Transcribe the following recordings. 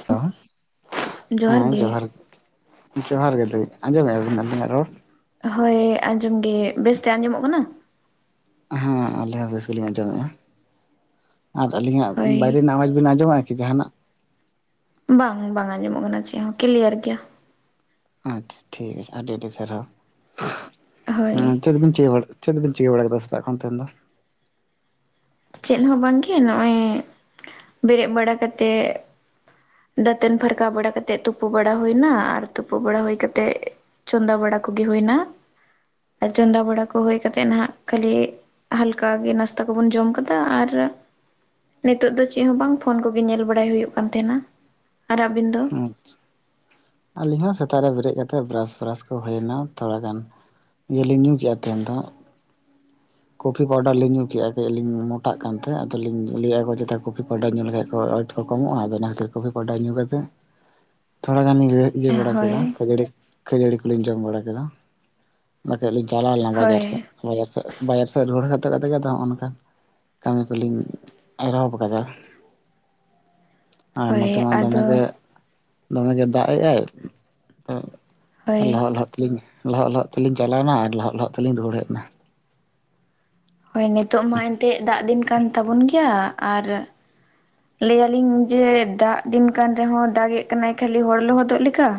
[unintelligible] ᱦᱮᱸ ᱡᱚᱦᱟᱨ ᱜᱮ, ᱡᱚᱦᱟᱨ ᱜᱮ ᱫᱟᱹᱭ ᱟᱸᱡᱚᱢᱮᱫ ᱟᱵᱤᱱ ᱟᱹᱞᱤᱧᱟᱜ ᱨᱚᱲ? ᱦᱳᱭ ᱟᱸᱡᱚᱢ ᱜᱮ ᱵᱮᱥᱛᱮ ᱟᱸᱡᱚᱢᱚᱜ ᱠᱟᱱᱟ, ᱦᱮᱸ ᱟᱞᱮ ᱦᱚᱸ ᱵᱮᱥ ᱜᱮᱞᱤᱧ ᱟᱸᱡᱚᱢᱮᱜᱼᱟ, ᱟᱫᱚ ᱟᱹᱞᱤᱧᱟᱜ ᱦᱳᱭ ᱵᱟᱭᱨᱮ ᱨᱮᱱᱟᱜ ᱟᱣᱟᱡᱽ ᱵᱤᱱ ᱟᱸᱡᱚᱢ ᱮᱫᱟ ᱠᱤ ᱡᱟᱦᱟᱱᱟᱜ? ᱵᱟᱝ ᱟ ᱵᱟᱝ ᱟᱸᱡᱚᱢᱚᱜ ᱠᱟᱱᱟ ᱪᱮᱫ ᱦᱚᱸ ᱠᱤᱞᱤᱭᱟᱨ ᱜᱮᱭᱟ, ᱟᱪᱪᱷᱟ ᱴᱷᱤᱠ ᱟᱪᱷᱮ ᱟᱹᱰᱤ ᱟᱹᱰᱤ ᱥᱟᱨᱦᱟᱣ, ᱦᱳᱭ ᱩᱸ ᱪᱮᱫ ᱵᱤᱱ ᱪᱮᱠᱟ ᱪᱮᱫ ᱵᱮᱱ ᱪᱤᱠᱟᱹ ᱵᱟᱲᱟ ᱠᱮᱫᱫᱟ ᱥᱮᱛᱟᱜ ᱠᱷᱚᱱ ᱛᱮᱦᱮᱧ ᱫᱚ? ᱪᱮᱫ ᱦᱚᱸ ᱵᱟᱝ ᱜᱮ ᱱᱚᱜᱼᱚᱭ ᱵᱮᱨᱮᱫ ᱵᱟᱲᱟ ᱠᱟᱛᱮᱫ ᱫᱟᱹᱛᱟᱹᱱ ᱯᱷᱟᱨᱠᱟ ᱵᱟᱲᱟ ᱠᱟᱛᱮᱫ ᱛᱩᱯᱩ ᱵᱟᱲᱟ ᱦᱩᱭᱱᱟ, ᱟᱨ ᱛᱩᱯᱩ ᱵᱟᱲᱟ ᱦᱩᱭ ᱠᱟᱛᱮᱫ ᱪᱚᱸᱫᱟ ᱵᱟᱲᱟ ᱠᱚᱜᱮ ᱦᱩᱭᱱᱟ᱾ ᱟᱨ ᱪᱚᱸᱫᱟ ᱵᱟᱲᱟ ᱠᱚ ᱦᱩᱭ ᱠᱟᱛᱮᱜ ᱱᱟᱦᱟᱜ ᱠᱷᱟᱹᱞᱤ ᱦᱟᱞᱠᱟ ᱜᱮ ᱱᱟᱥᱛᱟ ᱠᱚᱵᱚᱱ ᱡᱚᱢ ᱠᱟᱫᱟ, ᱛᱟ ᱟᱨ ᱱᱤᱛᱚᱜ ᱫᱚ ᱪᱮᱫ ᱦᱚᱸ ᱵᱟᱝ ᱯᱷᱳᱱ ᱠᱚᱜᱮ ᱧᱮᱞ ᱵᱟᱲᱟᱭ ᱦᱩᱭᱩᱜ ᱠᱟᱱ ᱛᱟᱦᱮᱱᱟ, ᱟᱨ ᱟᱵᱤᱱ ᱫᱚ? ᱟᱪᱪᱷᱟ ᱟᱹᱞᱤᱧ ᱦᱚᱸ ᱥᱮᱛᱟᱜ ᱨᱮ ᱵᱮᱨᱮᱫ ᱠᱟᱛᱮᱫ ᱵᱮᱨᱟᱥ ᱯᱷᱮᱨᱟᱥ ᱠᱚ ᱦᱩᱭᱱᱟ ᱛᱷᱚᱲᱟ ᱜᱟᱱ, ᱤᱭᱟᱹ ᱞᱤᱧ ᱧᱩ ᱠᱮᱜᱼᱟ ᱛᱮᱦᱮᱱ ᱫᱚ, ᱠᱚᱯᱷᱤ ᱯᱟᱣᱰᱟᱨ ᱞᱤᱧ ᱧᱩ ᱠᱮᱜᱼᱟ ᱡᱮ ᱟᱹᱞᱤᱧ ᱢᱚᱴᱟᱜ ᱠᱟᱱᱛᱮ ᱟᱫᱚ ᱞᱤᱧ ᱞᱟᱹᱭ ᱮᱫ ᱟᱠᱚ ᱪᱮᱛᱟ ᱠᱚᱯᱷᱤ ᱯᱟᱣᱰᱟᱨ ᱧᱩ ᱞᱮᱠᱷᱟᱱ ᱠᱚ ᱟᱹᱰ ᱠᱚᱢᱚᱜᱼᱟ ᱟᱫᱚ ᱚᱱᱟ ᱠᱷᱟᱹᱛᱤᱨ ᱠᱚᱯᱷᱤ ᱯᱟᱣᱰᱟᱨ ᱧᱩ ᱠᱟᱛᱮ ᱛᱷᱚᱲᱟ ᱜᱟᱱ ᱜᱮ ᱤᱭᱟᱹ ᱵᱟᱲᱟ ᱦᱳᱭ ᱠᱮᱫᱟ ᱠᱷᱟᱹᱡᱟᱲᱤ ᱠᱷᱟᱹᱡᱟᱹᱲᱤ ᱠᱚᱞᱤᱧ ᱡᱚᱢ ᱵᱟᱲᱟ ᱠᱮᱫᱟ, ᱵᱟᱠᱷᱟᱡ ᱞᱤᱧ ᱪᱟᱞᱟᱣ ᱞᱮᱱᱟ ᱵᱟᱡᱟᱨ ᱦᱳᱭ ᱥᱮᱫ ᱵᱟᱡᱟᱨ ᱥᱮᱫ ᱨᱮ, ᱵᱟᱡᱟᱨ ᱥᱮᱫ ᱨᱩᱣᱟᱹᱲ ᱦᱮᱡ ᱠᱟᱛᱮ ᱜᱮᱛᱚ ᱟᱫᱚ ᱱᱚᱜᱼᱚ ᱱᱚᱝᱠ ᱠᱟᱹᱢᱤ ᱠᱚᱞᱤᱧ ᱮᱛᱚᱦᱚᱵ ᱟᱠᱟᱫᱟ, ᱟᱨ ᱱᱚᱛᱮ ᱦᱳᱭ ᱢᱟ ᱫᱚᱢᱮᱜᱮ ᱟᱫᱚ ᱫᱚᱢᱮ ᱜᱮ ᱫᱟᱜ ᱮᱜ-ᱟᱭ ᱚᱜ ᱦᱳᱭ ᱞᱚᱦᱚᱫ ᱞᱚᱦᱚᱫ ᱛᱮ, ᱞᱤᱧ ᱞᱚᱦᱚᱫ ᱞᱚᱦᱚᱫ ᱛᱮᱞᱤᱧ ᱪᱟᱞᱟᱣᱱᱟ, ᱟᱨ ᱞᱚᱦᱚᱫ ᱞᱚᱦᱚᱫ ᱛᱮᱞᱤᱧ ᱨᱩᱣᱟᱹᱲ ᱦᱮᱡᱱᱟ᱾ ᱦᱳᱭ ᱱᱤᱛᱳᱜ ᱢᱟ ᱮᱱᱛᱮᱫ ᱫᱟᱜ ᱫᱤᱱ ᱠᱟᱱ ᱛᱟᱵᱚᱱ ᱜᱮᱭᱟ, ᱟᱨ ᱞᱟᱹᱭ ᱟᱞᱤᱧ ᱡᱮ ᱫᱟᱜ ᱫᱤᱱ ᱠᱟᱱ ᱨᱮᱦᱚᱸ ᱫᱟᱜ ᱮᱫ ᱠᱟᱱᱟᱭ ᱠᱷᱟᱹᱞᱤ ᱦᱚᱲ ᱞᱚᱦᱚᱫᱚᱜ ᱞᱮᱠᱟ᱾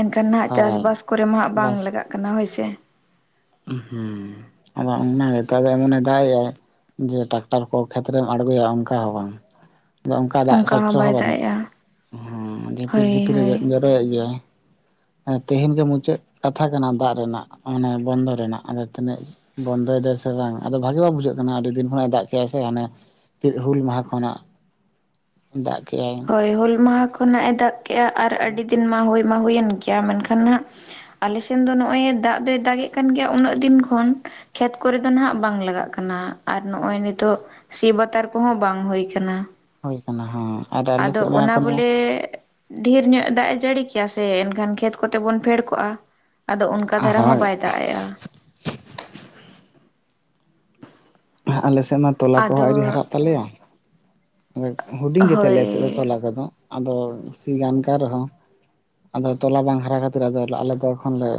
ᱮᱱᱠᱷᱟᱱ ᱱᱟᱦᱟᱜ ᱦᱳᱭ ᱪᱟᱥᱵᱟᱥ ᱠᱚᱨᱮ ᱢᱟᱜ ᱵᱟᱝ ᱵᱟᱥ ᱞᱟᱜᱟᱜ ᱠᱟᱱᱟ ᱦᱳᱭ ᱥᱮ᱾ ᱦᱩᱸ ᱟᱫᱚ ᱚᱱᱟᱜᱮ ᱛᱟᱦᱮ ᱢᱚᱱᱮ ᱫᱟᱜ ᱮᱭᱟᱭ ᱡᱮ ᱴᱟᱠᱴᱟᱨ ᱠᱚ ᱠᱷᱮᱛᱨᱮᱢ ᱟᱬᱜᱚᱭᱟ ᱚᱱᱠᱟ ᱦᱚᱸ ᱵᱟᱝ᱾ ᱟᱫᱚ ᱚᱱᱠᱟ ᱫᱟᱜ ᱥᱚᱪᱪᱟ ᱦᱚᱸ ᱵᱟᱭ ᱫᱟᱜ ᱵᱟᱹᱱᱩᱜ, ᱮᱜᱼᱟ ᱦᱩᱸ ᱡᱷᱤᱯᱤᱨ ᱡᱷᱤᱯᱤᱨ ᱮ ᱫᱮᱜ ᱦᱳᱭ ᱜᱮ ᱛᱮᱦᱮᱧ ᱜᱮ ᱢᱩᱪᱟᱹᱫ ᱠᱟᱛᱷᱟ ᱠᱟᱱᱟ ᱫᱟᱜ ᱨᱮᱱᱟᱜ ᱢᱟᱱᱮ ᱵᱚᱱᱫᱚ ᱨᱮᱱᱟᱜ ᱟᱫᱚ ᱛᱤᱱᱟᱹᱜ ᱵᱚᱱᱫᱚᱭ ᱫᱟ ᱥᱮ ᱵᱟᱝ ᱟᱫᱚ ᱵᱷᱟᱜᱤ ᱵᱟᱝ ᱵᱩᱡᱷᱟᱹᱜ ᱠᱟᱱᱟ ᱟᱹᱰᱤ ᱫᱤᱱ ᱠᱷᱚᱱᱟᱜ ᱮ ᱫᱟᱜ ᱠᱮᱫᱮᱜᱟᱭ ᱥᱮ ᱦᱟᱱᱮ ᱛᱤᱜ ᱦᱩᱞ ᱢᱟᱦᱟ ᱠᱷᱚᱱᱟᱜ ᱫᱟᱜ ᱠᱮᱫᱮᱜᱼᱟᱭ᱾ ᱦᱳᱭ ᱦᱩᱞ ᱢᱟᱦᱟ ᱠᱷᱚᱱᱟᱜ ᱮ ᱫᱟᱜ ᱠᱮᱫᱮᱜᱼᱟ ᱟᱨ ᱟᱹᱰᱤ ᱫᱤᱱ ᱢᱟ ᱦᱩᱭ ᱢᱟ ᱦᱩᱭᱮᱱ ᱜᱮᱭᱟ ᱢᱮᱱᱠᱷᱟᱱ ᱦᱟᱸᱜ ᱟᱞᱮ ᱥᱮᱱ ᱫᱚ ᱱᱚᱜᱼᱚᱭ ᱫᱟᱜ ᱫᱚᱭ ᱫᱟᱜ ᱮᱮᱫ ᱠᱟᱱ ᱜᱮᱭᱟ ᱩᱱᱟᱹᱜ ᱫᱤᱱ ᱠᱷᱚᱱ᱾ ᱠᱷᱮᱛ ᱠᱚᱨᱮ ᱫᱚ ᱱᱟᱦᱟᱜ ᱵᱟᱝ ᱞᱟᱜᱟᱜ ᱠᱟᱱᱟ ᱟᱨ ᱱᱚᱜᱼᱚᱭ ᱱᱤᱛᱚᱜ ᱥᱤ ᱵᱟᱛᱟᱨ ᱠᱚᱦᱚᱸ ᱵᱟᱝ ᱦᱩᱭ ᱠᱟᱱᱟ ᱦᱩᱭ ᱠᱟᱱᱟ ᱦᱮᱸ, ᱟᱨ ᱟᱞᱮ ᱟᱫᱚ ᱥᱮᱫ ᱢᱟ ᱚᱱᱟ ᱮᱠᱷᱚᱱᱳ ᱵᱚᱞᱮ ᱰᱷᱮᱨ ᱧᱚᱜ ᱫᱟᱜ-ᱮ ᱡᱟᱲᱤ ᱠᱮᱭᱟ ᱥᱮ ᱮᱱᱠᱷᱟᱱ ᱠᱷᱮᱛ ᱠᱚᱛᱮ ᱵᱚᱱ ᱯᱷᱮᱰ ᱠᱚᱜᱼᱟ ᱟᱫᱚ ᱚᱱᱠᱟ ᱫᱷᱟᱨᱟ ᱦᱚᱸ ᱦᱳᱭ ᱵᱟᱭ ᱫᱟᱜ ᱮᱜᱼᱟ ᱦᱮᱸ, ᱟᱞᱮ ᱥᱮᱫ ᱢᱟ ᱛᱚᱞᱟ ᱠᱚᱦᱚᱸ ᱟᱫᱚ ᱟᱣᱨᱤ ᱦᱟᱨᱟᱜ ᱛᱟᱞᱮᱭᱟ, ᱟᱫᱚ ᱦᱩᱰᱤᱧ ᱜᱮᱛᱟ ᱞᱮᱭᱟ ᱪᱮᱫ ᱫᱚ ᱦᱳᱭ ᱛᱚᱞᱟ ᱠᱚᱫᱚ ᱟᱫᱚ ᱥᱤ ᱜᱟᱱ ᱠᱟᱱ ᱨᱮᱦᱚᱸ ᱟᱫᱚ ᱛᱚᱞᱟ ᱵᱟᱝ ᱦᱟᱨᱟ ᱠᱷᱟᱛᱤᱨ ᱟᱫᱚ ᱟᱞᱮ ᱫᱚ ᱮᱠᱷᱚᱱ ᱞᱮ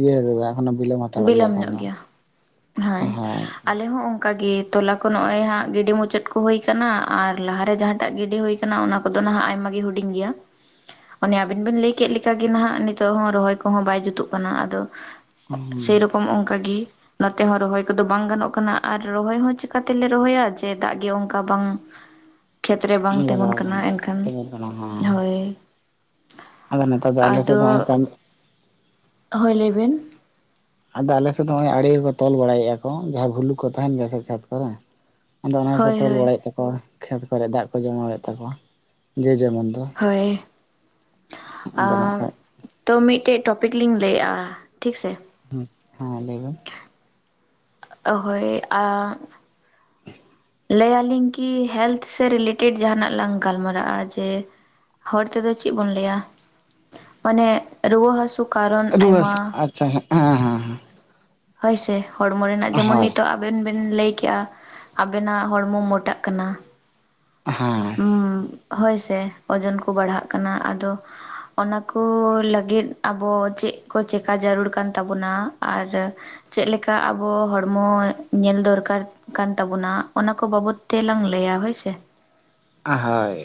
ᱤᱭᱟᱹ ᱠᱟᱫᱟ ᱚᱱᱟ ᱵᱤᱞᱚᱢ ᱦᱟᱛᱟᱲᱚᱜ ᱜᱮᱭᱟ ᱮᱠᱷᱚᱱ ᱫᱚ, ᱦᱳᱭ ᱟᱞᱮ ᱦᱚᱸ ᱚᱝᱠᱟᱟ ᱜᱮ ᱛᱚᱞᱟ ᱠᱚ ᱱᱚᱜᱼᱚᱭ ᱦᱟᱸᱜ ᱜᱤᱰᱤ ᱢᱩᱪᱟᱹᱫ ᱠᱚ ᱦᱩᱭ ᱠᱟᱱᱟ ᱟᱨ ᱞᱟᱦᱟᱨᱮ ᱡᱟᱦᱟᱸᱴᱟᱜ ᱜᱤᱰᱤ ᱦᱩᱭ ᱠᱟᱱᱟ, ᱚᱱᱟ ᱠᱚᱫᱚ ᱱᱟᱦᱟᱜ ᱟᱭᱢᱟ ᱜᱮ ᱦᱩᱰᱤᱧ ᱜᱮᱭᱟ ᱚᱱᱮ ᱟᱵᱤᱱ ᱵᱤᱱ ᱞᱟᱹᱭ ᱠᱮᱫ ᱞᱮᱠᱟᱜᱮ ᱱᱟᱦᱟᱜ ᱱᱤᱛᱚᱜ ᱦᱚᱸ ᱨᱚᱦᱚᱭ ᱠᱚᱦᱚᱸ ᱵᱟᱭ ᱡᱩᱛᱩᱜ ᱠᱟᱱᱟ ᱟᱫᱚ ᱥᱮᱨᱚᱠᱚᱢ ᱚᱝᱠᱟᱜᱤ ᱱᱚᱛᱮ ᱦᱚᱸ ᱨᱚᱦᱚᱭ ᱠᱚᱫᱚ ᱵᱟᱝ ᱜᱟᱱᱚᱜ ᱠᱟᱱᱟ ᱟᱨ ᱨᱚᱦᱚᱭ ᱦᱚᱸ ᱪᱮᱠᱟᱛᱮᱞᱮ ᱨᱚᱦᱚᱭᱟ ᱡᱮ ᱫᱟᱜ ᱜᱮ ᱚᱝᱠᱟ ᱵᱟᱝ ᱠᱷᱮᱛ ᱨᱮ ᱵᱟᱝ ᱛᱤᱸᱜᱩᱱ ᱞᱟᱜᱟᱣ ᱠᱟᱱᱟ ᱜᱟᱱᱟᱜ ᱮᱱᱠᱷᱟᱱ ᱛᱮᱜᱳᱱ ᱠᱟᱱᱟ ᱦᱮᱸ ᱦᱳᱭ ᱟᱫᱚ ᱱᱮᱛᱟᱨ ᱫᱚ ᱟᱞᱮ ᱥᱮᱫ ᱟᱫᱚ ᱫᱚ ᱱᱚᱜ-ᱚᱭ ᱠᱟᱹᱢᱤ ᱦᱳᱭ ᱞᱟᱹᱭᱵᱮᱱ ᱟᱫᱚ ᱟᱞᱮᱥᱮᱫ ᱫᱚ ᱦᱚᱸᱜᱼᱚᱭ ᱟᱲᱮ ᱠᱚ ᱠᱚ ᱛᱚᱞ ᱵᱟᱲᱟᱭᱮᱜᱼᱟ ᱠᱚ ᱡᱟᱦᱟᱸ ᱵᱷᱩᱞᱩᱠ ᱠᱚ ᱛᱟᱦᱮᱱ ᱜᱮᱭᱟ ᱥᱮ ᱠᱷᱮᱛ ᱠᱚᱨᱮ ᱟᱫᱚ ᱚᱱᱟ ᱜᱮᱠᱚ ᱦᱳᱭ ᱛᱚᱞ ᱦᱳᱭ ᱵᱟᱲᱟᱭᱮᱫ ᱛᱟᱠᱚᱣᱟ ᱠᱷᱮᱛ ᱠᱚᱨᱮ ᱫᱟᱜ ᱠᱚ ᱡᱚᱢᱟᱣᱮᱫ ᱛᱟᱠᱚᱣᱟ ᱡᱮ ᱡᱮᱢᱚᱱ ᱫᱚ ᱦᱳᱭ ᱟᱫᱚ ᱱᱟᱜ ᱠᱷᱟᱡ ᱛᱚ ᱢᱤᱫᱴᱮᱡ ᱴᱚᱯᱤᱠ ᱞᱤᱧ ᱞᱟᱹᱭᱮᱜᱼᱟ ᱴᱷᱤᱠᱥᱮ ᱦᱩᱸ ᱦᱮᱸ ᱞᱟᱹᱭᱢᱮ ᱚᱦᱳᱭ ᱟᱹᱻ ᱞᱟᱹᱭ ᱟᱹᱞᱤᱧ ᱠᱤ ᱦᱮᱞᱛᱷ ᱥᱮ ᱨᱤᱞᱮᱴᱮᱰ ᱡᱟᱦᱱᱟᱜ ᱞᱟᱝ ᱜᱟᱞᱢᱟᱨᱟᱜᱼᱟ ᱡᱮ ᱦᱚᱲ ᱛᱮᱫᱚ ᱪᱮᱫ ᱵᱚᱱ ᱞᱟᱹᱭᱟ ᱢᱟᱱᱮ ᱨᱩᱣᱟᱹ ᱦᱟᱹᱥᱩ ᱠᱟᱨᱚᱱ ᱨᱩᱣᱟᱹ ᱟᱭᱢᱟ ᱦᱟᱥᱩ, ᱟᱪᱪᱷᱟ ᱦᱮᱸ ᱦᱮᱸ ᱦᱮᱸ ᱦᱳᱭᱥᱮ ᱦᱚᱲᱢᱚ ᱨᱮᱱᱟᱜ ᱡᱮᱢᱚᱱ ᱦᱳᱭ ᱱᱤᱛᱚᱜ ᱟ ᱟᱵᱮᱱ ᱵᱮᱱ ᱞᱟᱹᱭᱠᱮᱜᱼᱟ ᱟᱵᱮᱱᱟᱜ ᱦᱚᱲᱢᱚ ᱢᱚᱴᱟᱜ ᱠᱟᱱᱟ ᱦᱮᱸ ᱦᱩᱸ, ᱦᱳᱭᱥᱮ ᱳᱡᱚᱱ ᱠᱚ ᱵᱟᱲᱦᱟᱜ ᱠᱟᱱᱟ ᱟᱫᱚ ᱚᱱᱟ ᱠᱚ ᱞᱟᱹᱜᱤᱫ ᱟᱵᱚ ᱪᱮᱫ ᱠᱚ ᱪᱮᱠᱟ ᱡᱟᱹᱨᱩᱲ ᱠᱟᱱ ᱛᱟᱵᱚᱱᱟ ᱟᱨ ᱪᱮᱫ ᱞᱮᱠᱟ ᱟᱵᱚ ᱦᱚᱲᱢᱚ ᱧᱮᱞ ᱫᱚᱨᱠᱟᱨ ᱠᱟᱱ ᱛᱟᱵᱚᱱᱟ ᱚᱱᱟ ᱠᱚ ᱵᱟᱵᱚᱛ ᱛᱮᱞᱟᱝ ᱞᱟᱹᱭᱟ ᱦᱳᱭᱥᱮ᱾ ᱟᱦᱟᱭ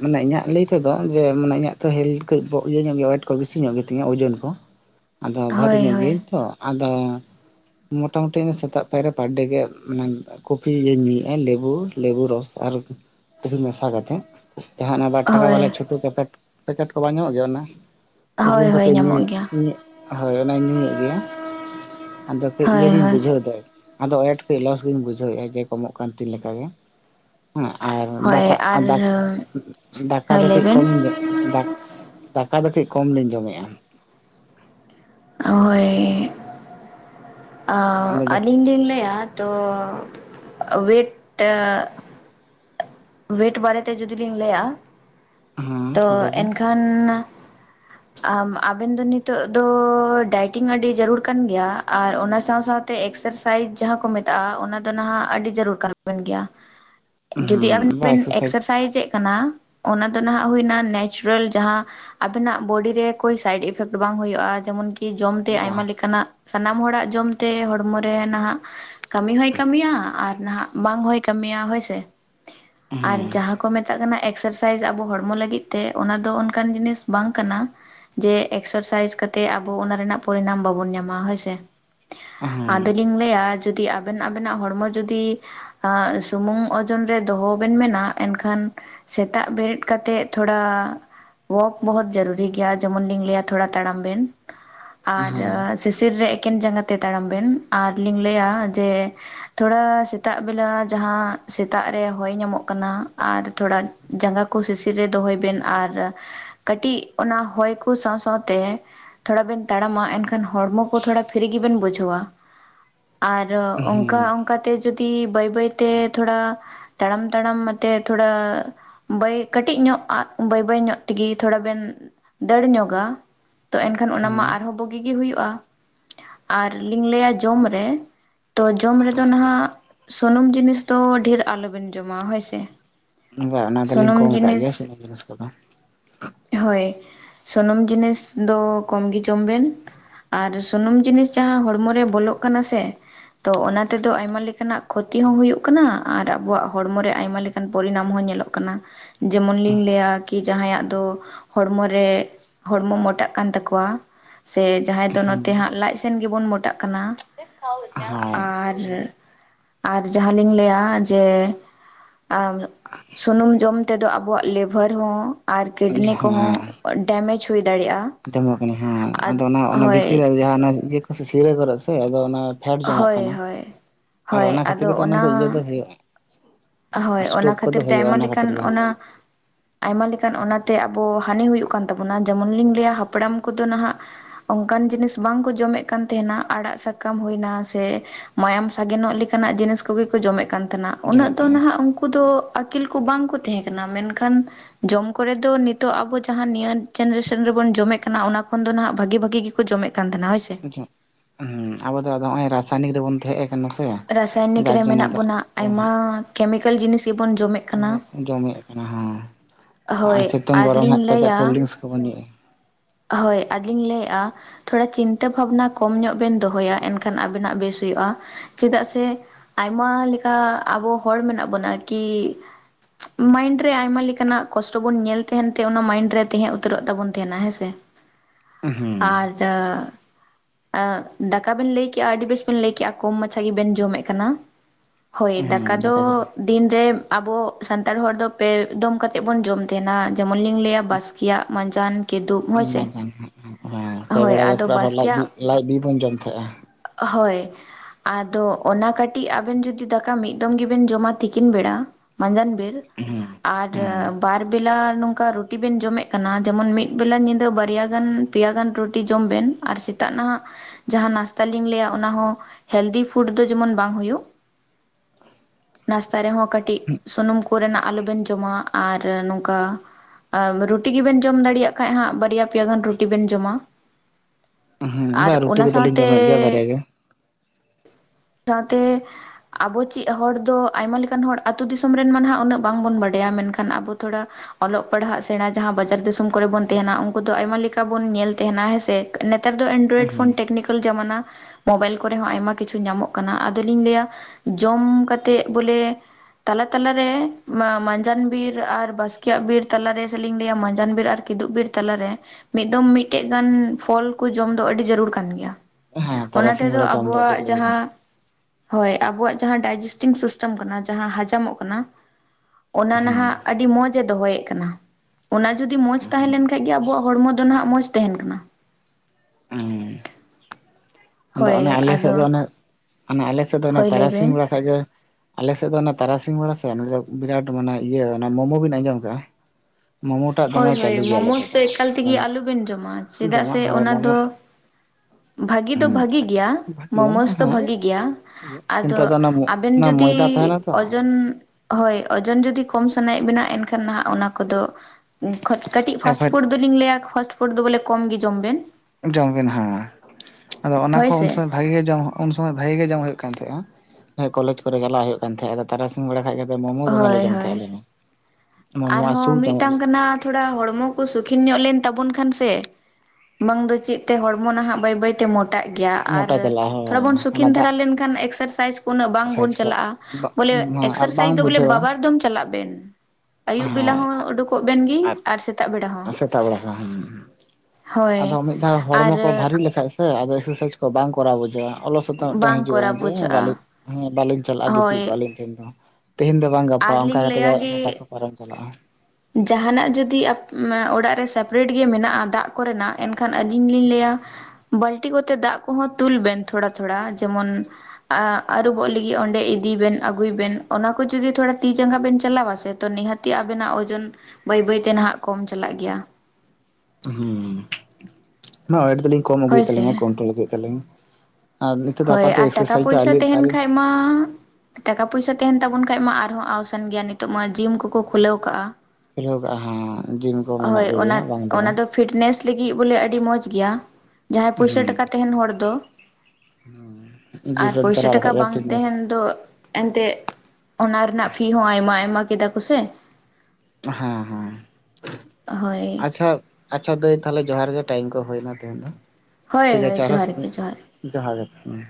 ᱢᱟᱱᱮ ᱤᱧᱟᱹᱜ ᱞᱟᱹᱭ ᱛᱮᱫᱚ ᱡᱮ ᱢᱟᱱᱮ ᱤᱧᱟᱹᱜ ᱛᱚ ᱦᱮᱞᱛᱷ ᱠᱟᱹᱡ ᱫᱚ ᱤᱭᱟᱹ ᱧᱚᱜ ᱜᱮᱭᱟ ᱚᱭᱮᱴ ᱠᱚ ᱵᱮᱥᱤ ᱧᱚᱜ ᱜᱮᱛᱤᱧᱟ ᱳᱡᱚᱱ ᱠᱚ ᱟᱫᱚ ᱵᱷᱟᱹᱜᱮ ᱦᱳᱭ ᱧᱚᱜ ᱦᱳᱭ ᱜᱤᱭᱟᱹᱧ ᱛᱚ, ᱟᱫᱚ ᱢᱚᱴᱟᱢᱩᱴᱤ ᱥᱮᱛᱟᱜ ᱯᱟᱭᱨᱮ ᱯᱟᱨᱰᱮ ᱜᱮ ᱢᱟᱱᱮ ᱠᱚᱯᱷᱤ ᱞᱤᱧ ᱧᱩᱭᱮᱜᱼᱟ ᱞᱮᱵᱩ ᱞᱮᱵᱩ ᱨᱚᱥ ᱟᱨ ᱠᱚᱯᱷᱤ ᱢᱮᱥᱟ ᱠᱟᱛᱮᱫ, ᱦᱚᱜᱱᱚᱣᱟ ᱵᱟᱨ ᱴᱟᱠᱟ ᱦᱳᱭ ᱵᱟᱞᱟ ᱪᱷᱳᱴᱳ ᱯᱮᱠᱮᱴ ᱠᱚ ᱵᱟᱝ ᱧᱟᱢᱚᱜ ᱜᱮᱭᱟ, ᱚᱱᱟ ᱦᱳᱭ ᱩᱨᱩᱢ ᱦᱳᱭ ᱠᱟᱛᱮ ᱧᱟᱢᱚᱜ ᱧᱩᱭᱮᱫ ᱜᱮᱭᱟ ᱧᱩᱭᱮᱫ ᱦᱳᱭ ᱚᱱᱟᱧ ᱧᱩᱭᱮᱫ ᱜᱮᱭᱟ᱾ ᱟᱫᱚ ᱠᱟᱹᱡ ᱤᱭᱟᱹ ᱦᱳᱭ ᱜᱤᱧ ᱦᱳᱭ ᱵᱩᱡᱷᱟᱹᱣ ᱫᱟ᱾ ᱟᱫᱚ ᱟᱴ ᱠᱟᱹᱡ ᱞᱚᱥ ᱜᱤᱧ ᱵᱩᱡᱷᱟᱹᱣᱮᱫᱼᱟ ᱡᱮ ᱠᱚᱢᱚᱜ ᱠᱟᱱ ᱛᱤᱧ ᱞᱮᱠᱟ ᱜᱮ ᱦᱮᱸ ᱟᱨ ᱫᱟᱠᱟ ᱟᱨ ᱫᱟᱠᱟ ᱫᱟᱠᱟ ᱦᱳᱭ ᱫᱚ ᱞᱟᱹᱭ ᱠᱟᱹᱡ ᱵᱮᱱ ᱠᱚᱢ ᱧᱚᱜ ᱫᱟᱠ ᱫᱟᱠᱟ ᱫᱚ ᱠᱟᱺᱡ ᱠᱚᱢ ᱞᱤᱧ ᱡᱚᱢᱮᱜᱼᱟ ᱦᱳᱭ ᱟ ᱟᱫᱚ ᱦᱮᱸ ᱟᱹᱞᱤᱧ ᱞᱤᱧ ᱞᱟᱹᱭᱟ ᱛᱚ ᱣᱮᱴ ᱚᱳᱭᱮᱴ ᱵᱟᱨᱮᱛᱮ ᱡᱩᱫᱤ ᱞᱤᱧ ᱞᱟᱹᱭᱟ᱾ ᱛᱚ ᱞᱟᱹᱭ ᱵᱮᱱ ᱮᱱᱠᱷᱟᱱ ᱟᱢ ᱟᱵᱮᱱ ᱫᱚ ᱱᱤᱛᱚᱜ ᱫᱚ ᱰᱟᱭᱴᱤᱝ ᱟᱹᱰᱤ ᱡᱟᱹᱨᱩᱲ ᱠᱟᱱ ᱜᱮᱭᱟ᱾ ᱟᱨ ᱚᱱᱟ ᱥᱟᱶ ᱥᱟᱶᱛᱮ ᱛᱮ ᱮᱠᱥᱟᱨᱥᱟᱭᱤᱡᱽ ᱡᱟᱦᱟᱸ ᱠᱚ ᱢᱮᱛᱟᱜᱼᱟ, ᱚᱱᱟ ᱫᱚ ᱱᱟᱦᱟᱜ ᱟᱹᱰᱤ ᱡᱟᱹᱨᱩᱲ ᱠᱟᱱᱵᱤᱱ ᱜᱮᱭᱟ᱾ [inaudible] ᱡᱩᱫᱤ ᱟᱵᱤᱱ ᱵᱤᱱ ᱮᱠᱥᱟᱨᱥᱟᱭᱤᱡ ᱮᱫ ᱠᱟᱱᱟ ᱚᱱᱟ ᱫᱚ ᱱᱟᱦᱟᱜ ᱦᱩᱭᱱᱟ ᱱᱮᱪᱟᱨᱮᱞ ᱡᱟᱦᱟᱸ ᱟᱵᱤᱱᱟᱜ ᱵᱚᱰᱤᱨᱮ ᱠᱳᱭ ᱥᱟᱭᱤᱰ ᱤᱯᱷᱮᱠᱴ ᱵᱟᱝ ᱦᱳᱭᱳᱜᱼᱟ ᱡᱮᱢᱚᱱ ᱠᱤ ᱡᱚᱢᱛᱮ ᱵᱟ ᱟᱭᱢᱟ ᱞᱮᱠᱟᱱᱟᱜ ᱥᱟᱱᱟᱢ ᱦᱚᱲᱟᱜ ᱡᱚᱢᱛᱮ ᱦᱚᱲᱢᱚ ᱨᱮ ᱱᱟᱦᱟᱜ ᱠᱟᱹᱢᱤ ᱦᱚᱸᱭ ᱠᱟᱹᱢᱤᱭᱟ ᱟᱨ ᱱᱟᱜ ᱵᱟᱝ ᱦᱚᱸᱭ ᱠᱟᱹᱢᱤᱭᱟ ᱦᱳᱭᱥᱮ ᱟᱨ ᱦᱮᱸ ᱡᱟᱦᱟᱸ ᱠᱚ ᱢᱮᱛᱟᱜ ᱠᱟᱱᱟ᱾ ᱮᱠᱥᱟᱨᱥᱟᱭᱤᱡᱽ ᱟᱵᱚ ᱦᱚᱲᱢᱚ ᱞᱟᱹᱜᱤᱫ ᱛᱮ ᱚᱱᱟ ᱫᱚ ᱚᱱᱠᱟᱱ ᱡᱤᱱᱤᱥ ᱵᱟᱝ ᱠᱟᱱᱟ, ᱡᱮ ᱮᱠᱥᱟᱨᱥᱟᱭᱤᱡ ᱠᱟᱛᱮ ᱟᱵᱚ ᱚᱱᱟ ᱨᱮᱱᱟᱜ ᱯᱚᱨᱤᱱᱟᱢ ᱵᱟᱵᱚᱱ ᱧᱟᱢᱟ ᱦᱳᱭᱥᱮ ᱮᱦᱮ ᱟᱫᱚᱞᱤᱧ ᱞᱟᱹᱭᱟ᱾ ᱡᱩᱫᱤ ᱟᱵᱮᱱ ᱟᱵᱮᱱᱟᱜ ᱦᱚᱲᱢᱚ ᱡᱩᱫᱤ ᱥᱩᱢᱩᱝ ᱳᱡᱳᱱ ᱨᱮ ᱫᱚᱦᱚ ᱵᱮᱱ ᱢᱮᱱᱟ, ᱮᱱᱠᱷᱟᱱ ᱥᱮᱛᱟᱜ ᱵᱮᱨᱮᱫ ᱠᱟᱛᱮᱜ ᱛᱷᱚᱲᱟ, ᱚᱠ ᱵᱚᱦᱚᱛ ᱡᱟᱹᱨᱩᱨᱤ ᱜᱮᱭᱟ ᱡᱮᱢᱚᱱ ᱞᱤᱧ ᱞᱟᱹᱭᱟ ᱛᱷᱚᱲᱟ ᱛᱟᱲᱟᱢ ᱵᱮᱱ, ᱟᱨ ᱦᱮᱸ ᱥᱤᱥᱤᱨ ᱨᱮ ᱮᱠᱮᱱ ᱡᱟᱸᱜᱟ ᱛᱮ ᱛᱟᱲᱟᱢ ᱵᱮᱱ, ᱟᱨᱞᱤᱧ ᱞᱟᱹᱭᱟ ᱡᱮ ᱛᱷᱚᱲᱟ ᱥᱮᱛᱟᱜ ᱵᱮᱞᱟ ᱡᱟᱦᱟᱸ ᱥᱮᱛᱟᱜ ᱨᱮ ᱦᱚᱭ ᱧᱟᱢᱚᱜ ᱠᱟᱱᱟ ᱟᱨ ᱛᱷᱚᱲᱟ ᱡᱟᱸᱜᱟ ᱠᱚ ᱥᱤᱥᱤᱨ ᱨᱮ ᱫᱚᱦᱚᱭ ᱵᱮᱱ, ᱟᱨ ᱠᱟᱹᱴᱤᱜ ᱚᱱᱟ ᱦᱚᱭ ᱠᱚ ᱥᱟᱶ ᱥᱟᱶᱛᱮ ᱛᱷᱚᱲᱟ ᱵᱮᱱ ᱛᱟᱲᱟᱢᱟ ᱮᱱᱠᱷᱟᱱ ᱦᱚᱲᱢᱚ ᱠᱚ ᱛᱷᱚᱲᱟ ᱯᱷᱤᱨᱤ ᱜᱮᱵᱮᱱ ᱵᱩᱡᱷᱟᱹᱣᱟ᱾ ᱟᱨ ᱚᱝᱠᱟ ᱦᱮᱸ ᱚᱝᱠᱟᱛᱮ ᱡᱩᱫᱤ ᱵᱟᱹᱭ ᱵᱟᱹᱭᱛᱮ ᱛᱷᱚᱲᱟ ᱛᱟᱲᱟᱢ ᱛᱟᱲᱟᱢ ᱢᱟᱯᱮ ᱛᱷᱚᱲᱟ ᱵᱟᱹᱭ ᱠᱟᱹᱴᱤᱡ ᱧᱚᱜ ᱟ ᱵᱟᱹᱭ ᱵᱟᱹᱭ ᱧᱚᱜ ᱛᱮᱜᱮ ᱛᱷᱚᱲᱟ ᱵᱮᱱ ᱫᱟᱹᱲ ᱧᱚᱜᱟ᱾ ᱛᱚ ᱮᱱᱠᱷᱟᱱ ᱚᱱᱟ ᱢᱟ ᱦᱮᱸ ᱟᱨᱦᱚᱸ ᱵᱩᱜᱤ ᱜᱮ ᱦᱩᱭᱩᱜᱼᱟ᱾ ᱟᱨ ᱞᱤᱧ ᱞᱟᱹᱭᱟ ᱡᱚᱢ ᱨᱮ ᱛᱚ ᱡᱚᱢ ᱨᱮᱫᱚ ᱱᱟᱦᱟᱜ ᱥᱩᱱᱩᱢ ᱡᱤᱱᱤᱥ ᱫᱚ ᱰᱷᱮᱨ ᱟᱞᱚᱵᱤᱱ ᱡᱚᱢᱟ ᱦᱳᱭ ᱥᱮ ᱵᱟ, ᱚᱱᱟ ᱫᱚᱞᱤᱧ ᱥᱩᱱᱩᱢ ᱠᱚᱢ ᱟᱠᱟᱜ ᱜᱮᱭᱟ ᱡᱤᱱᱤᱥ ᱥᱩᱱᱩᱢ ᱡᱤᱱᱤᱥ ᱠᱚᱫᱚ ᱦᱳᱭ ᱥᱩᱱᱩᱢ ᱡᱤᱱᱤᱥ ᱫᱚ ᱠᱚᱢᱜᱮ ᱡᱚᱢ ᱵᱮᱱ᱾ ᱟᱨ ᱥᱩᱱᱩᱢ ᱡᱤᱱᱤᱥ ᱡᱟᱦᱟᱸ ᱦᱚᱲᱢᱚ ᱨᱮ ᱵᱚᱞᱚᱜ ᱠᱟᱱᱟ ᱥᱮ ᱛᱚ ᱚᱱᱟ ᱛᱮᱫᱚ ᱟᱭᱢᱟ ᱞᱮᱠᱟᱱᱟᱜ ᱠᱷᱚᱛᱤ ᱦᱚᱸ ᱦᱩᱭᱩᱜ ᱠᱟᱱᱟ, ᱟᱨ ᱟᱵᱚᱣᱟᱜ ᱦᱚᱲᱢᱚᱨᱮ ᱟᱭᱢᱟ ᱞᱮᱠᱟᱱ ᱯᱚᱨᱤᱱᱟᱢ ᱦᱚᱸ ᱧᱮᱞᱚᱜ ᱠᱟᱱᱟ᱾ ᱡᱮᱢᱚᱱ ᱞᱤᱧ ᱞᱟᱹᱭᱟ ᱠᱤ ᱡᱟᱦᱟᱸᱭᱟᱜ ᱫᱚ ᱦᱚᱲᱢᱚ ᱨᱮ ᱦᱚᱲᱢᱚ ᱢᱚᱴᱟᱜ ᱠᱟᱱ ᱛᱟᱠᱚᱣᱟ᱾ ᱥᱮ ᱡᱟᱦᱟᱸᱭ ᱫᱚ ᱱᱚᱛᱮ ᱦᱟᱸᱜ ᱞᱟᱡ ᱥᱮᱱ ᱜᱮᱵᱚᱱ ᱢᱚᱴᱟᱜ ᱠᱟᱱᱟ᱾ ᱦᱳᱭ [unintelligible] ᱟᱨ ᱟᱨ ᱡᱟᱦᱟᱸᱞᱤᱧ ᱞᱟᱹᱭᱟ ᱡᱮ ᱟᱨ ᱥᱩᱱᱩᱢ ᱡᱚᱢ ᱛᱮᱫᱚ ᱟᱵᱚᱣᱟᱜ ᱞᱮᱵᱷᱟᱨ ᱦᱚᱸ ᱟᱨ ᱠᱤᱰᱱᱤ ᱠᱚᱦᱚᱸ ᱰᱮᱢᱮᱡᱽ ᱦᱩᱭ ᱫᱟᱲᱮᱭᱟᱜᱼᱟ ᱡᱚᱢᱚᱜ ᱠᱟᱱᱟ ᱦᱟᱸᱜ ᱟᱨ ᱟᱫᱚ ᱚᱱᱟ ᱚᱱᱟ ᱦᱳᱭ ᱵᱷᱤᱛᱤᱨ ᱨᱮ ᱡᱟᱦᱟᱸ ᱚᱱᱟ ᱤᱭᱟᱹ ᱠᱚ ᱥᱤᱨᱟᱹ ᱠᱚᱨᱮ ᱥᱮ ᱟᱫᱚ ᱚᱱᱟ ᱯᱷᱮᱰ ᱡᱚᱝᱟᱜ ᱦᱳᱭ ᱠᱟᱱᱟ ᱦᱳᱭ ᱟᱨ ᱦᱳᱭ ᱚᱱᱟ ᱠᱷᱟᱹᱛᱤᱨ ᱟᱫᱚ ᱫᱚ ᱚᱱᱟ ᱫᱚ ᱤᱭᱟᱹ ᱫᱚ ᱦᱩᱭᱩᱜᱼᱟ᱾ ᱦᱳᱭ ᱚᱱᱟ ᱥᱴᱳᱠ ᱠᱷᱟᱹᱛᱤᱨ ᱠᱚᱫᱚ ᱛᱮ ᱟᱭᱢᱟ ᱦᱩᱭᱩᱜᱼᱟ ᱚᱱᱟ ᱞᱮᱠᱟᱱ ᱠᱷᱟᱹᱛᱤᱨ ᱜᱮ ᱚᱱᱟ ᱟᱭᱢᱟ ᱞᱮᱠᱟᱱ ᱚᱱᱟᱛᱮ ᱟᱵᱚ ᱦᱟᱹᱱᱤ ᱦᱩᱭᱩᱜ ᱠᱟᱱ ᱛᱟᱵᱚᱱᱟ ᱡᱮᱢᱚᱱ ᱞᱤᱧ ᱞᱟᱹᱭᱟ [unintelligible] ᱦᱟᱯᱲᱟᱢ ᱠᱚᱫᱚ ᱱᱟᱦᱟᱜ ᱚᱱᱠᱟᱱ ᱡᱤᱱᱤᱥ ᱵᱟᱝᱠᱚ ᱡᱚᱢᱮᱫ ᱠᱟᱱ ᱛᱟᱦᱮᱱᱟ ᱟᱲᱟᱜ ᱥᱟᱠᱟᱢ ᱦᱩᱭᱱᱟ ᱥᱮ ᱢᱟᱭᱟᱢ ᱥᱟᱜᱮᱱᱚᱜ ᱞᱮᱠᱟᱱᱟᱜ ᱡᱤᱱᱤᱥ ᱠᱚᱜᱮ ᱠᱚ ᱡᱚᱢᱮᱫ ᱠᱟᱱ ᱛᱟᱦᱮᱱᱟ ᱩᱱᱟᱹᱜ ᱡᱚᱢᱮᱫ ᱫᱚ ᱛᱟᱦᱮᱸ ᱱᱟᱦᱟᱜ ᱩᱱᱠᱩ ᱫᱚ ᱟᱹᱠᱤᱞ ᱠᱚ ᱵᱟᱝᱠᱚ ᱛᱟᱦᱮᱸ ᱠᱟᱱᱟ ᱢᱮᱱᱠᱷᱟᱱ ᱡᱚᱢ ᱠᱚᱨᱮ ᱫᱚ ᱱᱤᱛᱚᱜ ᱟᱵᱚ ᱡᱟᱦᱟᱸ ᱱᱤᱭᱟᱹ ᱡᱮᱱᱮᱨᱮᱥᱟᱱ ᱨᱮᱵᱚᱱ ᱡᱚᱢᱮᱜ ᱠᱟᱱᱟ ᱚᱱᱟ ᱠᱷᱚᱱ ᱫᱚ ᱱᱟᱜ ᱵᱷᱟᱹᱜᱤ ᱵᱷᱟᱹᱜᱤ ᱜᱮ ᱡᱚᱢᱮᱫ ᱠᱟᱱ ᱛᱟᱦᱮᱱᱟ ᱦᱳᱭ ᱥᱮ᱾ ᱦᱚᱸ ᱟᱵᱚ ᱫᱚ ᱟᱫᱚ ᱱᱚᱜᱼᱚᱭ ᱨᱟᱥᱟᱭᱚᱱᱤᱠ ᱨᱮᱵᱚᱱ ᱦᱮᱡ ᱠᱟᱱᱟ ᱥᱮ ᱨᱟᱥᱟᱭᱚᱱᱤᱠ ᱡᱟᱨ ᱨᱮ ᱢᱮᱱᱟᱜ ᱡᱚᱱᱱᱚ ᱫᱚ ᱵᱚᱱᱟ᱾ ᱟᱭᱢᱟ ᱠᱮᱢᱤᱠᱮᱞ ᱡᱤᱱᱤᱥ ᱜᱮᱵᱚᱱ ᱡᱚᱢᱮᱫ ᱠᱟᱱᱟ ᱡᱚᱢᱮᱫ ᱠᱟᱱᱟ ᱦᱮᱸ ᱟᱨ ᱦᱳᱭ ᱥᱤᱛᱩᱝ ᱜᱚᱨᱚᱢ ᱟᱨᱞᱤᱧ ᱦᱮᱡ ᱠᱟᱛᱮᱫ ᱞᱟᱹᱭᱟ ᱠᱳᱞ ᱰᱨᱤᱝᱠᱤ᱾ᱥ ᱠᱚᱵᱚᱱ ᱧᱩᱭᱼᱟ ᱦᱳᱭ ᱟᱹᱫᱤᱧ [unintelligible] ᱞᱟᱹᱭ ᱮᱫᱼᱟ᱾ ᱛᱷᱚᱲᱟ ᱪᱤᱱᱛᱟᱹ ᱵᱷᱟᱵᱱᱟ ᱠᱚᱢ ᱧᱚᱜ ᱵᱤᱧ ᱫᱚᱦᱚᱭᱟ᱾ ᱮᱱᱠᱷᱟᱱ ᱟᱹᱵᱤᱱᱟᱜ ᱵᱮᱥ ᱦᱩᱭᱩᱜᱼᱟ᱾ ᱪᱮᱫᱟᱜ ᱥᱮ, ᱟᱭᱢᱟ ᱞᱮᱠᱟ ᱟᱵᱚ ᱦᱚᱲ ᱢᱮᱱᱟᱜ ᱵᱚᱱᱟ, ᱟᱨᱠᱤ ᱢᱟᱭᱤᱱᱰ ᱨᱮ ᱟᱭᱢᱟ ᱞᱮᱠᱟᱱᱟᱜ ᱠᱚᱥᱴᱚ ᱵᱚᱱ ᱧᱮᱞ ᱛᱟᱸᱦᱮᱱ ᱛᱮ ᱚᱱᱟ ᱢᱟᱭᱤᱱᱰ ᱨᱮ ᱛᱟᱦᱮᱸ ᱩᱛᱟᱹᱨᱚᱜ ᱛᱟᱵᱚᱱ ᱛᱟᱦᱮᱱᱟ ᱦᱮᱸᱥᱮ? ᱦᱮᱸ ᱟᱨ ᱡᱟᱜ ᱮᱸ ᱫᱟᱠᱟ ᱵᱤᱱ ᱞᱟᱹᱭ ᱠᱮᱫᱼᱟ ᱟᱹᱰᱤ ᱵᱮᱥ ᱵᱤᱱ ᱞᱟᱹᱭ ᱠᱮᱫ-ᱟ ᱠᱚᱢ ᱢᱟᱪᱷᱟ ᱜᱮᱵᱤᱱ ᱡᱚᱢᱮᱫ ᱠᱟᱱᱟ᱾ ᱦᱳᱭ ᱫᱟᱠᱟ ᱦᱮᱸ ᱫᱚ ᱡᱚᱢ ᱫᱤᱱ ᱨᱮ ᱟᱵᱚ ᱥᱟᱱᱛᱟᱲ ᱦᱚᱲ ᱫᱚ ᱯᱮ ᱫᱚᱢ ᱠᱟᱛᱮᱫ ᱵᱚᱱ ᱡᱚᱢ ᱛᱟᱸᱦᱮᱱᱟ ᱡᱮᱢᱚᱱ ᱞᱤᱧ ᱞᱟᱹᱭᱟ ᱵᱟᱥᱠᱮ ᱠᱤᱭᱟᱜ, ᱢᱟᱡᱟᱱ, ᱠᱤᱫᱩᱵᱽ ᱦᱳᱭ [inaudible] ᱯᱮ ᱵᱮᱲᱟ ᱜᱮ ᱟᱫᱚ ᱟᱨᱦᱚᱸ ᱞᱟᱡ ᱵᱟᱥᱠᱮᱭᱟᱜ ᱵᱤ ᱞᱟᱡ ᱵᱤ ᱵᱚᱱ ᱡᱚᱢ ᱛᱟᱸᱦᱮᱫ-ᱟ᱾ ᱦᱳᱭ ᱟᱫᱚ ᱚᱱᱟ ᱠᱟᱹᱴᱤᱡ ᱟᱵᱤᱱ ᱡᱩᱫᱤ ᱫᱟᱠᱟ ᱢᱤᱫ ᱫᱚᱢ ᱜᱮᱵᱤᱱ ᱡᱚᱢᱟ ᱛᱤᱠᱤᱱ ᱵᱮᱲᱟ ᱢᱟᱡᱟᱱ ᱵᱮᱨ ᱦᱮᱸ ᱟᱨ ᱵᱟᱨ ᱵᱮᱞᱟ ᱱᱚᱝᱠᱟ ᱨᱩᱴᱤ ᱵᱮᱱ ᱡᱚᱢᱮᱫ ᱠᱟᱱᱟ ᱡᱮᱢᱚᱱ ᱢᱤᱫ ᱵᱮᱞᱟ ᱧᱤᱫᱟᱹ ᱵᱟᱹ ᱯᱮᱭᱟ ᱜᱟᱱ ᱯᱮᱭᱟ ᱜᱟᱱ ᱨᱩᱴᱤ ᱡᱚᱢ ᱵᱤᱱ, ᱟᱨ ᱥᱮᱛᱟᱜ ᱱᱟᱦᱟᱜ ᱡᱟᱦᱟᱸ ᱱᱟᱥᱛᱟ ᱞᱤᱧ ᱞᱟᱹᱭᱟ, ᱚᱱᱟ ᱦᱚᱸ ᱦᱮᱞᱫᱤ ᱯᱷᱩᱰ ᱫᱚ ᱡᱮᱢᱚᱱ ᱵᱟᱝ ᱦᱩᱭᱩᱜ, [unintelligible] ᱱᱟᱥᱛᱟ ᱨᱮᱦᱚᱸ ᱠᱟᱹᱴᱤᱡ ᱥᱩᱱᱩᱢ ᱠᱚᱨᱮ ᱱᱟᱜ ᱟᱞᱚ ᱵᱤᱱ ᱡᱚᱢᱟ ᱟᱨ ᱱᱚᱝᱠᱟ ᱨᱩᱴᱤ ᱜᱮᱵᱤᱱ ᱡᱚᱢ ᱫᱟᱲᱮᱭᱟᱜ ᱠᱷᱟᱭ ᱦᱟᱸᱜ ᱵᱟᱨᱭᱟ ᱯᱮᱭᱟ ᱜᱟᱱ ᱨᱩᱴᱤ ᱵᱮᱱ ᱡᱚᱢᱟᱹ ᱵᱟᱝ ᱨᱩᱴᱤ ᱠᱚᱫᱚ ᱞᱤᱧ ᱡᱚᱢᱮᱫ ᱜᱮᱭᱟ ᱵᱟᱨᱭᱟ ᱜᱮ᱾ ᱡᱟᱣᱛᱮ ᱟᱵᱚ ᱪᱮᱫ ᱦᱚᱲ ᱫᱚ ᱟᱭᱢᱟ ᱞᱮᱠᱟᱱ ᱦᱚᱲ ᱟᱛᱳ ᱫᱤᱥᱚᱢ ᱨᱮᱱ ᱢᱟ ᱦᱟᱸᱜ ᱩᱱᱟᱹᱜ ᱵᱟᱝᱵᱚᱱ ᱵᱟᱰᱟᱭᱟ ᱢᱮᱱᱠᱷᱟᱱ ᱟᱵᱚ ᱛᱷᱚᱲᱟ ᱚᱞᱚᱜ ᱯᱟᱲᱦᱟᱜ ᱥᱮᱸᱬᱟ ᱡᱟᱦᱟᱸ ᱵᱟᱡᱟᱨ ᱫᱤᱥᱚᱢ ᱠᱚᱨᱮ ᱵᱚᱱ ᱛᱮᱦᱮᱱᱟ, ᱩᱱ ᱠᱚᱫᱚ ᱟᱭᱢᱟ ᱞᱮᱠᱟ ᱵᱚᱱ ᱧᱮᱞ ᱛᱟᱦᱮᱱᱟ ᱦᱮᱸᱥᱮ ᱱᱮᱛᱟᱨ ᱫᱚ ᱮᱱᱰᱨᱚᱭᱮᱰ ᱦᱮᱸ ᱯᱷᱳᱱ ᱴᱮᱠᱱᱤᱠᱮᱞ ᱡᱟᱢᱟᱱᱟ᱾ ᱢᱳᱵᱟᱭᱤᱞ ᱠᱚᱨᱮ ᱦᱚᱸ ᱟᱭᱢᱟ ᱠᱤᱪᱷᱩ ᱧᱟᱢᱚᱜ ᱠᱟᱱᱟ ᱟᱫᱚᱞᱤᱧ ᱞᱟᱹᱭᱟ ᱡᱚᱢ ᱠᱟᱛᱮᱫ ᱵᱚᱞᱮ ᱛᱟᱞᱟ ᱛᱟᱞᱟᱨᱮ ᱢᱟ ᱢᱟᱡᱟᱱ ᱵᱤᱨ ᱟᱨ ᱵᱟᱥᱠᱮᱭᱟᱜ ᱵᱮᱨ ᱛᱟᱞᱟᱨᱮ ᱥᱮ ᱞᱤᱧ ᱞᱟᱹᱭᱟ ᱢᱟᱡᱟᱱ ᱵᱮᱨ ᱟᱨ ᱠᱤᱫᱩᱵ ᱵᱤᱨ ᱛᱟᱞᱟᱨᱮ ᱢᱤᱫ ᱫᱚᱢ ᱢᱤᱫᱴᱮᱡ ᱜᱟᱱ ᱯᱷᱚᱞ ᱠᱚ ᱡᱚᱢ ᱫᱚ ᱟᱹᱰᱤ ᱡᱟᱹᱨᱩᱲ ᱠᱟᱱ ᱜᱮᱭᱟ ᱦᱮᱸ ᱚᱱᱟ ᱛᱟᱨᱟᱥᱤᱧ ᱛᱮᱫᱚ ᱵᱮᱲᱟ ᱡᱚᱢ ᱫᱚ ᱟᱹᱰᱤ ᱟᱵᱚᱣᱟᱜ ᱡᱟᱹᱨᱩᱲ ᱦᱮᱸ ᱡᱟᱦᱟᱸ ᱦᱳᱭ ᱟᱵᱚᱣᱟᱜ ᱡᱟᱦᱟᱸ ᱰᱟᱭᱡᱮᱥᱴᱤᱝ ᱥᱤᱥᱴᱮᱢ ᱠᱟᱱᱟ᱾ ᱡᱟᱦᱟᱸ ᱦᱟᱡᱟᱢᱚᱜ ᱠᱟᱱᱟ᱾ ᱚᱱᱟ ᱱᱟᱦᱟᱜ ᱟᱹᱰᱤ ᱢᱚᱸᱡᱽ ᱮ ᱫᱚᱦᱚᱭᱮᱫ ᱠᱟᱱᱟ᱾ ᱚᱱᱟ ᱡᱩᱫᱤ ᱢᱚᱸᱡᱽ ᱛᱟᱦᱮᱸ ᱞᱮᱱ ᱠᱷᱟᱱ ᱦᱚᱲᱢᱚ ᱫᱚ ᱱᱟᱜ ᱢᱚᱸᱡᱽ ᱛᱟᱸᱦᱮᱱ ᱠᱟᱱᱟ᱾ ᱦᱮᱸ ᱟᱫᱚ ᱦᱳᱭ ᱚᱱᱮ ᱟᱞᱮ ᱥᱮᱫ ᱟᱫᱚ ᱫᱚ ᱚᱱᱮ ᱚᱱᱮ ᱟᱞᱮ ᱥᱮᱫ ᱫᱚ ᱚᱱᱮ ᱦᱳᱭ ᱞᱟᱹᱭ ᱛᱟᱨᱟᱥᱤᱧ ᱵᱮᱱ ᱵᱟᱲᱟ ᱠᱷᱟᱡ ᱜᱮ ᱟᱞᱮ ᱥᱮᱫ ᱫᱚ ᱚᱱᱟ ᱛᱟᱨᱟᱥᱤᱧ ᱵᱮᱲᱟ ᱥᱮᱫ ᱫᱚ ᱵᱤᱨᱟᱴ ᱢᱟᱱᱮ ᱤᱭᱟᱹ ᱚᱱᱟ ᱢᱳᱢᱳ ᱵᱤᱱ ᱟᱸᱡᱚᱢ ᱟᱠᱟᱜᱼᱟ᱾ ᱢᱳᱢᱳ ᱴᱟᱜ ᱦᱳᱭ ᱫᱚᱢᱮ ᱦᱳᱭ ᱪᱟᱹᱞᱩ ᱜᱮᱭᱟ ᱟᱞᱮ ᱥᱮᱫ ᱢᱳᱢᱳᱥ ᱫᱚ ᱦᱟᱸᱜ ᱮᱠᱟᱞ ᱛᱮᱜᱮ ᱟᱞᱚᱵᱮᱱ ᱡᱚᱢᱟ [inaudible] ᱪᱮᱫᱟᱜ ᱡᱚᱢᱟᱜ ᱥᱮ ᱦᱳᱭ ᱚᱱᱟ ᱢᱟᱢᱳ ᱫᱚ [inaudible] ᱵᱷᱟᱹᱜᱤ ᱫᱚ ᱵᱷᱟᱹᱜᱤ ᱜᱮᱭᱟ ᱢᱳᱢᱳᱡᱽ ᱫᱚ ᱦᱮᱸ ᱵᱷᱟᱹᱜᱤ ᱜᱮᱭᱟ ᱠᱤᱱᱛᱩ ᱟᱫᱚ ᱚᱱᱟ ᱟᱵᱮᱱ ᱚᱱᱟ ᱡᱩᱫᱤ ᱢᱚᱭᱫᱟ ᱛᱟᱦᱮᱱᱟ ᱛᱚ ᱳᱡᱚᱱ ᱦᱳᱭ ᱳᱡᱚᱱ ᱡᱩᱫᱤ ᱠᱚᱢ ᱥᱟᱱᱟᱭᱮᱫ ᱵᱤᱱᱟ ᱮᱱᱠᱷᱟᱱ ᱱᱟᱦᱟᱜ ᱚᱱᱟ ᱠᱚᱫᱚ ᱠᱟᱹᱴᱤᱡ ᱯᱷᱟᱥᱴ ᱮᱵᱷᱚᱭᱮᱰ ᱯᱷᱩᱰ ᱫᱚ ᱞᱤᱧ ᱞᱟᱹᱭᱟ ᱯᱷᱟᱥᱴ ᱯᱷᱩᱰ ᱫᱚ ᱠᱚᱢ ᱜᱮ ᱡᱚᱢ ᱵᱮᱱ᱾ ᱡᱚᱢ ᱵᱤᱱ ᱱᱟᱦᱟᱜ ᱟᱫᱚ ᱚᱱᱟ ᱦᱳᱭ ᱠᱚ ᱩᱱ ᱥᱮ ᱥᱚᱢᱚᱭ ᱵᱷᱟᱜᱮ ᱜᱮ ᱡᱚᱢ ᱩᱱ ᱥᱚᱢᱚᱭ ᱵᱷᱟᱜᱮ ᱜᱮ ᱡᱚᱢ ᱦᱩᱭᱩᱜ ᱠᱟᱱ ᱛᱟᱦᱮᱜ-ᱟ ᱠᱚᱞᱮᱡᱽ ᱠᱚᱨᱮ ᱪᱟᱞᱟᱜ ᱦᱩᱭᱩᱜ ᱠᱟᱱ ᱛᱟᱦᱮᱜ-ᱟ ᱟᱫᱚ ᱛᱟᱨᱟᱥᱤᱧ ᱵᱮᱲᱟ ᱠᱷᱟ ᱟᱫᱚ ᱢᱳᱢᱳ ᱫᱚᱢᱮᱞᱮ ᱦᱳᱭ ᱡᱚᱢ ᱛᱟᱦᱮᱸ ᱦᱳᱭ ᱞᱟᱹᱭᱢᱮ ᱟᱨᱦᱚᱸ ᱢᱤᱫᱴᱟᱝ ᱠᱟᱱᱟ ᱛᱷᱚᱲᱟ ᱦᱚᱲᱢᱚ ᱠᱚ ᱥᱩᱠᱷᱤᱱ ᱧᱚᱜ ᱞᱮᱱ ᱛᱟᱵᱚᱱ ᱠᱷᱟᱱ ᱥᱮ ᱵᱟᱝ ᱫᱚ ᱪᱮᱫ ᱛᱮ ᱦᱚᱲᱢᱚ ᱱᱟᱦᱟᱜ ᱵᱟᱹᱭ ᱵᱟᱹᱭ ᱛᱚ ᱢᱚᱴᱟᱜ ᱜᱮᱭᱟ ᱟᱨ ᱢᱚᱴᱟ ᱪᱟᱞᱟᱜᱼᱟ ᱛᱷᱚᱲᱟ ᱦᱳᱭ ᱵᱚᱱ ᱚᱱᱟ ᱥᱩᱠᱷᱤᱱ ᱫᱟᱜ ᱫᱷᱟᱨᱟ ᱞᱮᱱᱠᱷᱟᱱ ᱮᱠᱥᱟᱨᱥᱟᱭᱤᱡᱽ ᱩᱱᱟᱹᱜ ᱵᱟᱝ ᱵᱚᱱ ᱥᱟᱭᱤᱡ ᱠᱚ ᱪᱟᱞᱟᱜ-ᱟ ᱵᱚᱞᱮ ᱟᱨ ᱵᱟᱝ ᱮᱠᱥᱟᱨᱥᱟᱭᱤᱡᱽ ᱫᱚ ᱵᱚᱞᱮ ᱵᱩᱡᱷᱟᱹᱣᱟ ᱵᱟᱵᱟᱨ ᱫᱚ ᱪᱟᱞᱟᱜ ᱵᱮᱱ ᱟᱹᱭᱩᱵ ᱵᱮᱞᱟ ᱦᱚᱸ ᱩᱰ ᱟᱯ ᱟᱪᱪᱷᱟ ᱛᱟᱞᱦᱮ ᱢᱟ ᱦᱳᱭ ᱟᱫᱚ ᱢᱤᱫ ᱫᱷᱟᱣ ᱟᱨ ᱦᱚᱲᱢᱚ ᱠᱚ ᱵᱷᱟᱹᱨᱤ ᱞᱮᱠᱷᱟᱡ ᱥᱮ ᱟᱫᱚ ᱮᱠᱥᱥᱟᱭᱤᱡ ᱠᱚ ᱵᱟᱝ ᱠᱚᱨᱟᱣ ᱵᱩᱡᱷᱟᱹᱣᱟ ᱚᱞᱚᱥ ᱥᱚᱛᱟ ᱢᱤᱫᱴᱟᱝ ᱵᱟᱝ ᱦᱤᱡᱩᱜ-ᱟ ᱠᱚᱨᱟᱣ ᱡᱮ ᱵᱩᱡᱷᱟᱹᱜᱼᱟ ᱵᱟᱹᱞᱤ ᱵᱟᱹᱞᱤᱧ ᱪᱟᱞᱟᱜ-ᱟ ᱜᱤᱛᱤᱡ ᱦᱳᱭ ᱠᱚᱜ-ᱟ ᱟᱹᱞᱤᱧ ᱛᱮᱦᱮᱱ ᱫᱚ᱾ ᱛᱮᱦᱮᱧ ᱫᱚ ᱵᱟᱝ ᱜᱟᱯᱟ ᱚᱱᱠᱟ ᱟᱨᱞᱤᱧ ᱠᱟᱛᱮᱫ ᱞᱟᱹᱭᱟ ᱜᱮ ᱱᱮᱰᱟ ᱠᱚ ᱯᱟᱨᱚᱢ ᱪᱟᱞᱟᱜ-ᱟ ᱡᱟᱦᱟᱱᱟᱜ ᱡᱩᱫᱤ ᱟᱯ-ᱮ ᱚᱲᱟᱜ ᱨᱮ ᱥᱟᱵᱯᱨᱮᱴ ᱜᱮ ᱢᱮᱱᱟᱜ-ᱟ ᱫᱟᱜ ᱠᱚᱨᱮᱱᱟᱜ ᱮᱱᱠᱷᱟᱱ ᱟᱹᱞᱤᱧ ᱞᱤᱧ ᱞᱟᱹᱭᱟ᱾ ᱵᱟ. ᱞᱴᱤ ᱠᱚᱛᱮ ᱫᱟᱜ ᱠᱚᱦᱚᱸ ᱫᱩᱞ ᱵᱮᱱ ᱛᱷᱚᱲᱟ ᱛᱷᱚᱲᱟ ᱡᱮᱢᱚᱱ ᱮ ᱟᱨᱩᱵᱚᱜ ᱞᱟᱹᱜᱤᱫ ᱚᱸᱰᱮ ᱤᱫᱤ ᱵᱮᱱ ᱟᱹᱜᱩᱭ ᱵᱮᱱ ᱚᱱᱟᱠᱚ ᱡᱚᱫᱤ ᱛᱷᱚᱲᱟ ᱛᱤ ᱡᱟᱸᱜᱟ ᱵᱮᱱ ᱪᱟᱞᱟ ᱟᱥᱮ ᱛᱚ ᱱᱤᱦᱟᱹᱛ ᱛᱮ ᱟᱵᱮᱱᱟᱜ ᱳᱡᱚᱱ ᱵᱟᱹᱭ ᱵᱟᱹᱭᱛᱮ ᱱᱟᱦᱟᱜ ᱠᱚᱢ ᱪᱟᱞᱟᱜ ᱜᱮᱭᱟ ᱦᱮᱸ ᱱᱚᱜ-ᱚᱭ ᱫᱚᱞᱤᱧ ᱠᱚᱢ ᱦᱳᱭ ᱟᱹᱜᱩᱭᱮᱫ ᱥᱮ ᱛᱟᱹᱞᱤᱧᱟ ᱠᱚᱱᱴᱨᱳᱞ ᱟᱹᱜᱩᱭᱮᱫ ᱛᱟᱹᱞᱤᱧᱟ᱾ ᱟ ᱱᱤᱛᱚᱜ ᱫᱚ ᱟᱯᱟᱛᱮ ᱮᱠᱥᱟᱨᱥᱟᱭᱤᱡ ᱟᱞᱤᱧ ᱟᱞᱤᱧ᱾ ᱢᱟᱻᱻ ᱴᱟᱠᱟ ᱯᱚᱭᱥᱟ ᱛᱟᱦᱮᱱ ᱛᱟᱵᱚᱱ ᱠᱷᱟᱡ ᱢᱟ ᱟᱨᱦᱚᱸ ᱟᱣᱥᱟᱱ ᱜᱮᱭᱟ ᱱᱤᱛᱚᱜ ᱢᱟ ᱡᱤᱢ ᱠᱚᱠᱚ ᱠᱷᱩᱞᱟᱹᱣ ᱟᱠᱟᱜ-ᱟ᱾ ᱠᱷᱩᱞᱟᱹᱶ ᱠᱟᱜ ᱦᱟᱜ ᱡᱤᱢ᱾ ᱠᱚ ᱢᱮᱱᱟᱜ ᱦᱳᱭ ᱚᱱᱟ ᱜᱮᱭᱟ ᱵᱟᱝ ᱚᱱᱟ ᱵᱟᱝ ᱫᱚ ᱯᱷᱤᱴᱱᱮᱥ ᱞᱟᱹᱜᱤᱫ ᱵᱚᱞᱮ ᱟᱹᱰᱤ ᱢᱚᱸᱡ ᱜᱮᱭᱟ ᱡᱟᱦᱟᱸᱭ ᱯᱩᱭᱥᱟᱹ ᱦᱩᱸ ᱴᱟᱠᱟ ᱛᱟᱦᱮᱱ ᱦᱚᱲ ᱫᱚ ᱟᱨ ᱡᱤᱢ ᱨᱮᱢ ᱯᱚᱭᱥᱟ ᱪᱟᱞᱟᱣ ᱴᱟᱠᱟ ᱞᱮᱠᱷᱟᱡ ᱜᱮ ᱵᱟᱝ ᱯᱷᱤᱴᱱᱮᱥ ᱛᱟᱦᱮᱱ ᱫᱚ ᱮᱱᱛᱮ ᱚᱱᱟ ᱨᱮᱱᱟᱜ ᱯᱷᱤ ᱦᱚᱸ ᱟᱭᱢᱟ ᱟᱭᱢᱟ ᱠᱮᱫᱟ ᱠᱚᱥᱮ ᱦᱮᱸ ᱦᱮᱸ ᱦᱳᱭ ᱟᱪᱪᱷᱟ ᱟᱪᱪᱷᱟ ᱫᱳ ᱛᱟᱦᱞᱮ ᱡᱚᱦᱟᱨ ᱜᱮ ᱴᱟᱭᱤᱢ ᱠᱚ ᱦᱩᱭᱱᱟ ᱛᱮᱦᱮᱧ ᱫᱚ ᱦᱳᱭ ᱴᱷᱤᱠ ᱦᱳᱭ ᱟᱪᱷᱮ ᱟᱨᱦᱚᱸ ᱡᱚᱦᱟᱨ ᱥᱚᱢᱚᱭ ᱜᱮ ᱡᱚᱦᱟᱨ ᱜᱮ᱾ ᱡᱚᱦᱟᱨ ᱜᱮ ᱦᱮᱸ